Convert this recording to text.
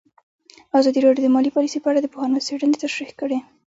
ازادي راډیو د مالي پالیسي په اړه د پوهانو څېړنې تشریح کړې.